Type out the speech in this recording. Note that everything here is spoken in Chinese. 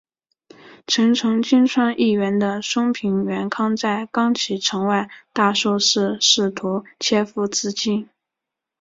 臣从今川义元的松平元康在冈崎城外大树寺试图切腹自尽。